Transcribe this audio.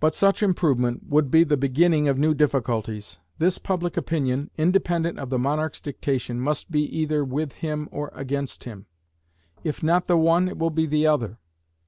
But such improvement would be the beginning of new difficulties. This public opinion, independent of the monarch's dictation, must be either with him or against him; if not the one, it will be the other.